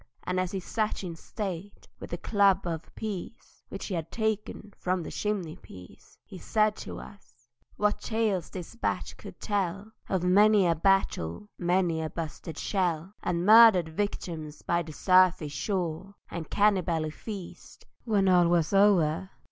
And as he sat in state, with the club of peace Which he had taken from the chimney piece, He said to us: "What tales this bat could tell Of many a battle—many a busted shell, And murdered victims by the surfy shore, And cani bally feasts when all was o'er!"